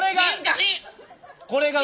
これが。